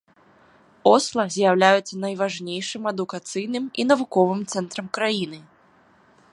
Осла з'яўляецца найважнейшым адукацыйным і навуковым цэнтрам краіны.